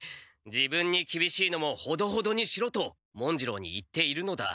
自分にきびしいのもほどほどにしろと文次郎に言っているのだ。